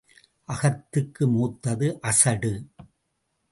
அகத்துக்கு மூத்தது அசடு.